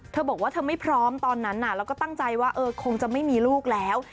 เธอบอกว่าเธอไม่พร้อมตอนนั้นแล้วก็ตั้งใจว่าคงจะไม่มีลูกแล้ว